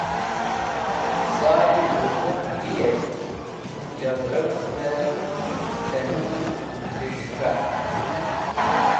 Sar-e duwwum di et yow rewzdey tem khis̃hka.